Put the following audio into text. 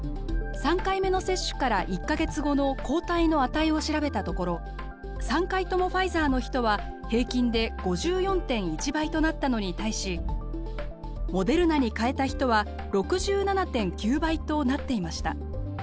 ３回目の接種から１か月後の抗体の値を調べたところ３回ともファイザーの人は平均で５４．１倍となったのに対しモデルナに変えた人は６７．９倍となっていました。